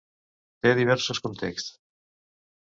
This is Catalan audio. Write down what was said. Té diversos contexts.